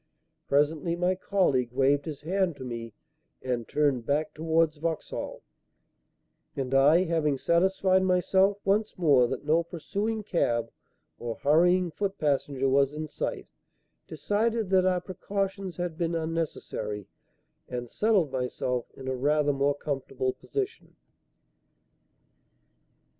Presently my colleague waved his hand to me and turned back towards Vauxhall, and I, having satisfied myself once more that no pursuing cab or hurrying foot passenger was in sight, decided that our precautions had been unnecessary and settled myself in a rather more comfortable position.